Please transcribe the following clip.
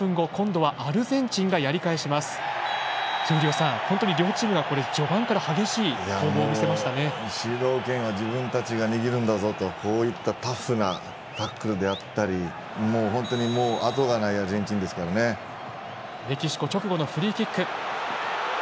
闘莉王さん、本当に両チームが序盤から激しい攻防を主導権は自分たちが握るんだぞとこういったタフなタックルであったり本当にもう後がないメキシコ直後のフリーキック。